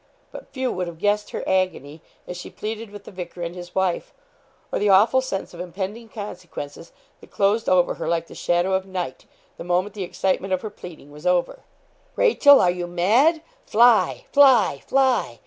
But few would have guessed her agony, as she pleaded with the vicar and his wife; or the awful sense of impending consequences that closed over her like the shadow of night, the moment the excitement of her pleading was over 'Rachel, are you mad? Fly, fly, fly!'